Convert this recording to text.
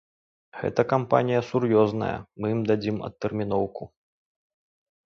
Гэта кампанія сур'ёзная, мы ім дадзім адтэрміноўку.